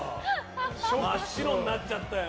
真っ白になっちゃったよ。